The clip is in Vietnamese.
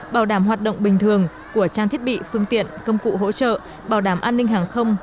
bảo đảm hoạt động bình thường của trang thiết bị phương tiện công cụ hỗ trợ bảo đảm an ninh hàng không